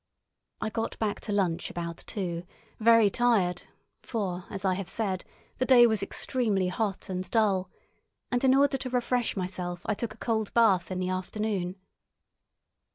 I got back to lunch about two, very tired for, as I have said, the day was extremely hot and dull; and in order to refresh myself I took a cold bath in the afternoon.